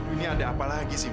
ini ada apa lagi sih